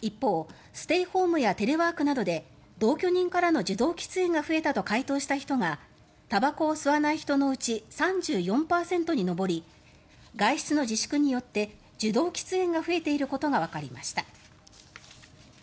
一方ステイホームやテレワークなどで同居人からの受動喫煙が増えたと回答した人がたばこを吸わない人のうち３４％に上り外出の自粛によって受動喫煙が増えていることがわかりました。